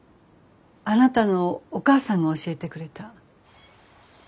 あなたのお母さんが教えてくれた。